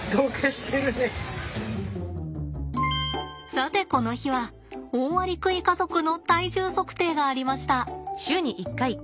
さてこの日はオオアリクイ家族の体重測定がありました。